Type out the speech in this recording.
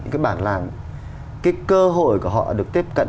cái cơ hội của họ được tiếp cận